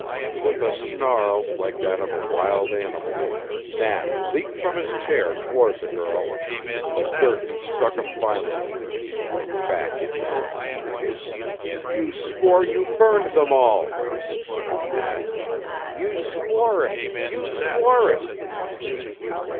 With a snarl like that of a wild animal Nat leaped from his chair toward the girl, but Durkee struck him violently and he reeled back into it. "You swore you burned them all!" muttered Nat. "You swore it! You swore it!"